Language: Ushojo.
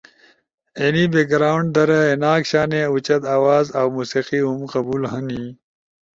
اینی بیک گراونڈ در ایناک شانے اوچت آواز اؤ موسیقی ہم قبول ہنی